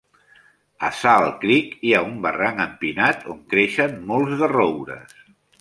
A Salt Creek hi ha un barranc empinat on creixen molts de roures.